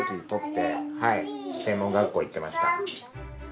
専門学校行ってました。